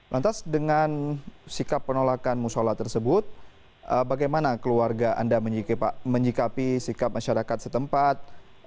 lantas dengan sikap penolakan musola tersebut bagaimana keluarga anda menyikapi sikap masyarakat setempat